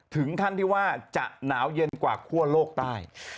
ถึงขั้นที่ว่าจะหนาวเย็นกว่าคั่วโลกใต้